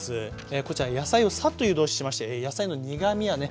こちら野菜をサッと湯通ししまして野菜の苦みやね